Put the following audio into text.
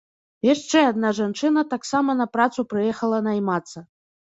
Яшчэ адна жанчына таксама на працу прыехала наймацца.